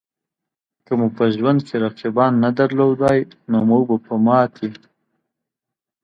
که مو په ژوند کې رقیبان نه درلودای؛ نو مونږ به ماتې ته